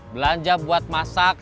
belanja buat masak